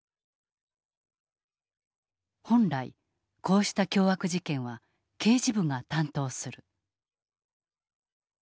本来こうした凶悪事件は刑事部が担当する。